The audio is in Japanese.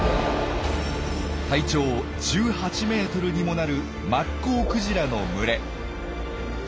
体長１８ｍにもなるマッコウクジラの群れ。